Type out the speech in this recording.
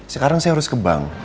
sekarang saya harus ke bank